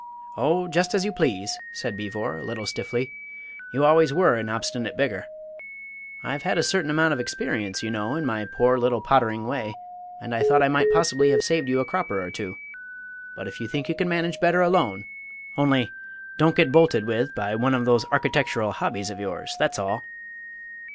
"Oh, just as you please!" said Beevor, a little stiffly; "you always were an obstinate beggar. I've had a certain amount of experience, you know, in my poor little pottering way, and I thought I might possibly have saved you a cropper or two. But if you think you can manage better alone only don't get bolted with by one of those architectural hobbies of yours, that's all."